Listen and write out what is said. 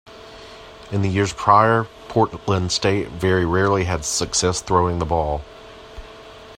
In the years prior, Portland State very rarely had success throwing the ball.